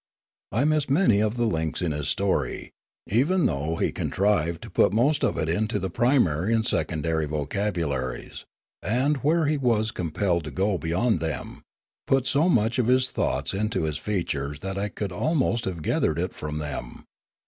I missed many of the links in his story, even though he contrived to put most of it into the primary and secondary vocabularies, and, where he was compelled to go beyond them, put so much of his thoughts into his features that I could almost have gathered it from them.